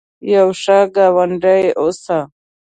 یو ښه ګاونډي اوسه